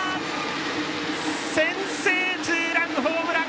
先制ツーランホームラン